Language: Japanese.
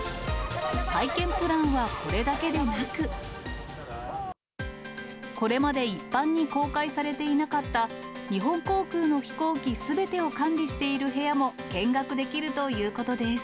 体験プランはこれだけでなく、これまで一般に公開されていなかった、日本航空の飛行機すべてを管理している部屋も見学できるということです。